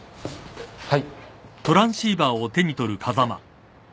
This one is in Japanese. はい。